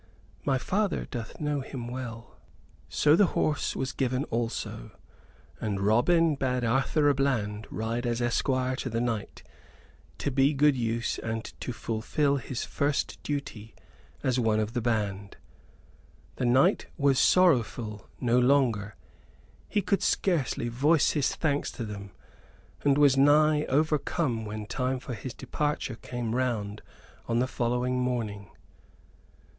My father doth know him well." So the horse was given also, and Robin bade Arthur à Bland ride as esquire to the knight; to be good use and to fulfil his first duty as one of the band. The knight was sorrowful no longer. He could scarcely voice his thanks to them; and was nigh overcome when time for his departure came round on the following morning.